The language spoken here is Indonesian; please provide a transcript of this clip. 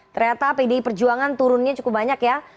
ternyata pdi perjuangan turunnya cukup banyak ya